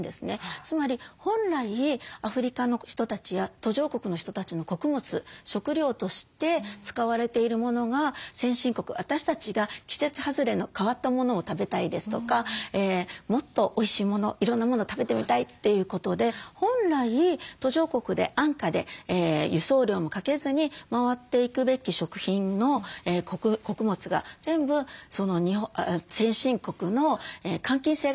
つまり本来アフリカの人たちや途上国の人たちの穀物食料として使われているものが先進国私たちが季節外れの変わったものを食べたいですとかもっとおいしいものいろんなものを食べてみたいということで本来途上国で安価で輸送量もかけずに回っていくべき食品の穀物が全部先進国の換金性が高いフルーツですとか売れるもの